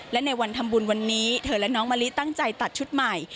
และในวันทำบุญวันนี้เธอและน้องมะลิตั้งใจตัดชุดใหม่